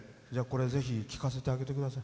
ぜひ聴かせてあげてください。